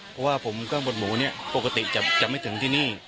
เพราะว่าผมเครื่องบดหมูเนี่ยปกติจะไม่ถึงที่นี่